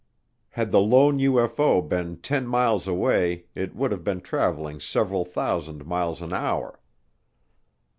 Had the lone UFO been 10 miles away it would have been traveling several thousand miles an hour.